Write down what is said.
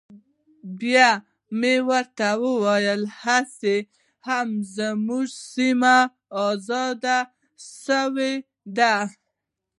بيا مې وويل هسې هم زموږ سيمې ازادې سوي دي.